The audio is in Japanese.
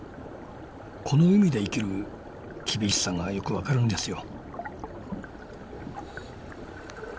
この海で生きる厳しさがよく分かるんですよ。